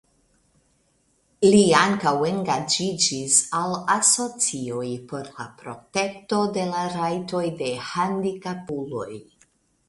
Li ankaŭ engaĝiĝis al asocioj por la protekto de la rajtoj de handikapuloj.